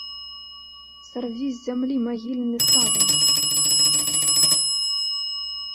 Сарві з зямлі магільны саван!